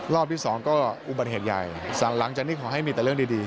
รอบที่สองก็อุบัติเหตุใหญ่หลังจากนี้ขอให้มีแต่เรื่องดี